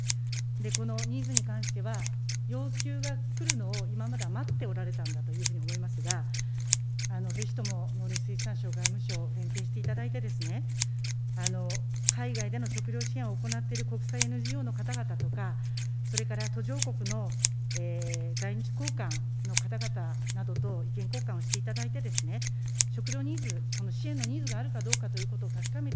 このニーズに関しては、要求が来るのを今までは待っておられたんだというふうに思いますが、ぜひとも農林水産省、外務省、連携していただいて、海外での食料支援を行っている国際ＮＧＯの方々とか、それから途上国の在日高官の方々などと意見交換をしていただいて、食料ニーズ、この支援のニーズがあるかどうかということを確かめ